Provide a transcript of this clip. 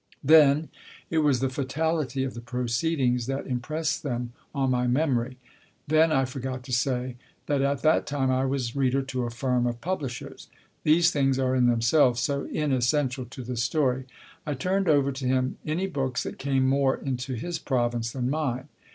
Then it was the fatality of the proceedings that impressed them on my memory then (I forgot to say that at that time I was reader to a firm of publishers ; these things are in themselves so inessential to this story) I turned over to him any books that came more into his province than mine.